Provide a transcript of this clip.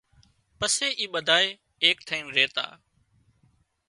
پسي اِي ٻڌائي ايڪ ٿئينَ ريتا